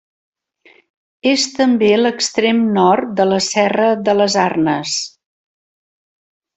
És també l'extrem nord de la Serra de les Arnes.